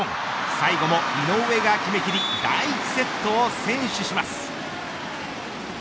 最後も井上が決め切り第１セットを先取します。